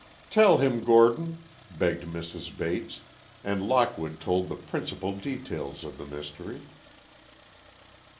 "Tell him, Gordon," begged Mrs. Bates, and Lockwood told the principal details of the mystery.